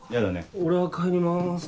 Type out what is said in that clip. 俺は帰ります。